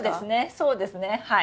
そうですねはい！